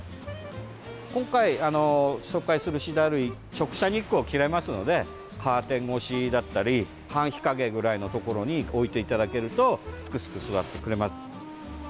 今回、紹介するシダ類直射日光を嫌いますのでカーテン越しだったり半日陰ぐらいのところに置いていただけるとすくすく育ってくれます。